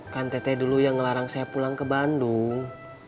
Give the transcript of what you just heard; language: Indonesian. kan tete dulu yang ngelarang saya pulang ke bandung